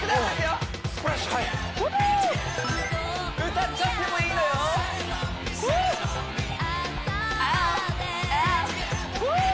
歌っちゃってもいいのよフォー！